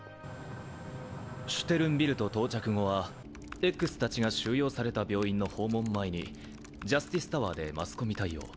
シュテルンビルト到着後はＸたちが収容された病院の訪問前にジャスティスタワーでマスコミ対応。